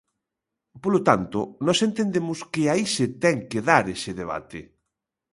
Polo tanto, nós entendemos que aí se ten que dar ese debate.